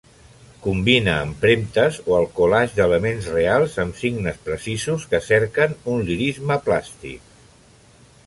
Combina empremtes o el collage d'elements reals amb signes precisos que cerquen un lirisme plàstic.